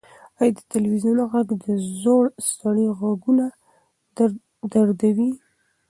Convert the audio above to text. ایا د تلویزیون غږ د زوړ سړي غوږونه دردوي؟